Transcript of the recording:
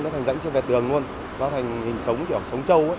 nó thành rãnh trên vẹt đường luôn nó thành hình sống kiểu sống trâu